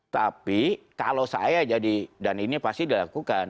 tapi kalau saya jadi dan ini pasti dilakukan